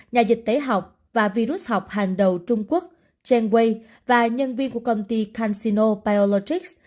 nhà dịch tế học và virus học hàng đầu trung quốc chen wei và nhân viên của công ty cansino biologics